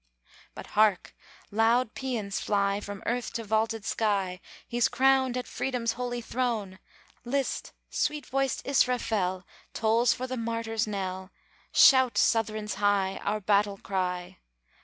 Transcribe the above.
But hark! loud pæans fly From earth to vaulted sky, He's crowned at Freedom's holy throne! List! sweet voiced Israfel Tolls for the martyr's knell! Shout Southrons high, Our battle cry!